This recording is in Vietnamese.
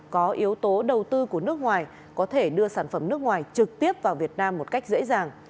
có yếu tố đầu tư của nước ngoài có thể đưa sản phẩm nước ngoài trực tiếp vào việt nam một cách dễ dàng